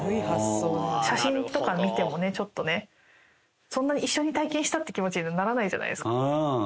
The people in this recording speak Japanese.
写真とか見てもね、ちょっとね、そんなに一緒に体験したっていう気持ちにはならないじゃないですか。